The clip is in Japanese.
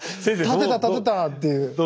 立てた立てたっていう。